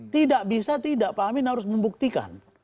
tidak bisa tidak pak amin harus membuktikan